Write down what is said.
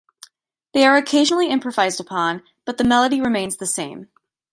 They are occasionally improvised upon, but the melody remains the same.